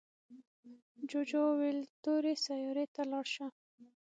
جوجو وویل تورې سیارې ته لاړ شه.